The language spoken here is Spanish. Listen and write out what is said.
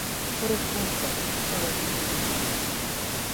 Por ejemplo, en el hindi, माँऽऽऽ!